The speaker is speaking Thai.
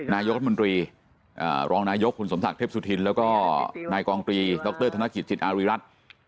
นายกรัฐมนตรีรองนายกคุณสมศักดิ์เทพสุธินแล้วก็นายกองตรีดรธนกิจจิตอารีรัฐ